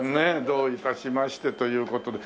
どういたしましてという事で。